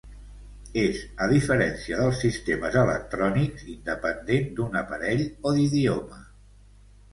És, a diferència dels sistemes electrònics, independent d'un aparell o d'idioma.